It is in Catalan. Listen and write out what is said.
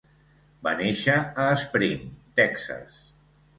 Va néixer a Spring, Texas.